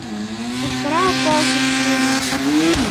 — кычкырал колтыш Юрий.